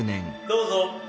・どうぞ。